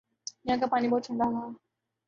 یہاں کا پانی بہت ٹھنڈا تھا ۔